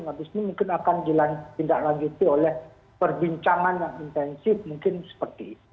habis ini mungkin akan dilakukan tidak lagi itu oleh perbincangan yang intensif mungkin seperti itu